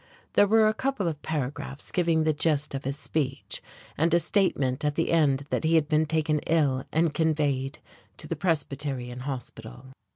There were a couple of paragraphs giving the gist of his speech, and a statement at the end that he had been taken ill and conveyed to the Presbyterian Hospital....